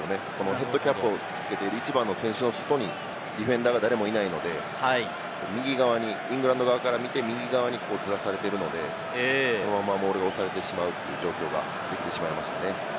ヘッドキャップをつけている１番の選手を外にディフェンダーが誰もいないので、右側にイングランド側から見て右側にずらされているので、そのままモールを押されてしまうという状況ができてしまいました。